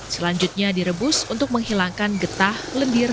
selanjutnya direbus untuk menghilangkan getah lendir